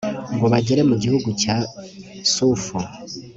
ngo bagere mu gihugu cya sufu